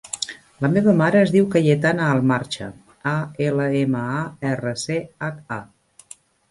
La meva mare es diu Cayetana Almarcha: a, ela, ema, a, erra, ce, hac, a.